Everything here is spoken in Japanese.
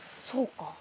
そうか。